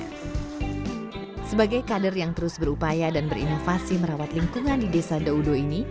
sebagai kader yang terus berupaya dan berinovasi merawat lingkungan di desa daudo ini